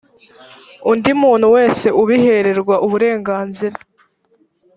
undi muntu wese ubihererwa uburenganzira